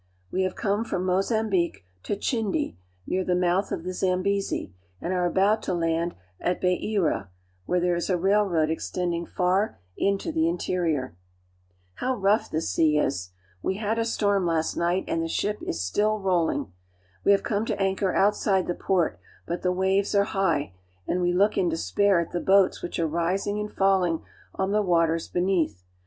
We have come from Mozambique to Chinde, near the mouth of the Zambezi, and are about to land at Beira (ba'e ra), where there is a railroad extending far into the interior. WITH TMK PORTUGUESH IN AFRICA Ihal great baaKnt , How rough the sea is ! We had a storm last night, and the ship is stil! rolling. We have come to anchor outside the port, but the waves are high, and we look in despair at the boats which are rising and falling on the waters beneath.